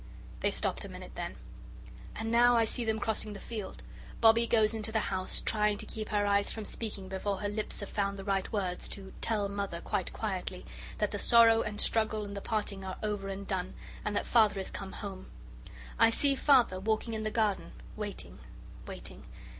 They stopped a minute then. And now I see them crossing the field. Bobbie goes into the house, trying to keep her eyes from speaking before her lips have found the right words to "tell Mother quite quietly" that the sorrow and the struggle and the parting are over and done, and that Father has come home. I see Father walking in the garden, waiting waiting.